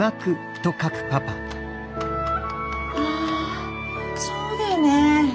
あそうだよね。